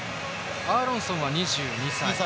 アーロンソンは２２歳。